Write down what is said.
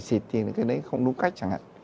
để xịt thì cái đấy không đúng cách chẳng hạn